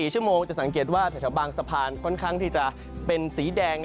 ๔ชั่วโมงจะสังเกตว่าแถวบางสะพานค่อนข้างที่จะเป็นสีแดง